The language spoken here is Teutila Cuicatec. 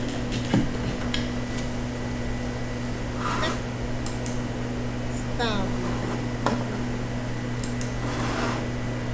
Tet stabi tinnu yiʼi.